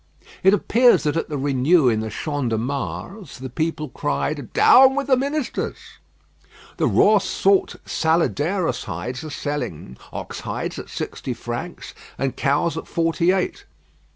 It appears that at the review in the Champ de Mars, the people cried, 'Down with the ministers!' The raw salt Saladeros hides are selling ox hides at sixty francs, and cows' at forty eight.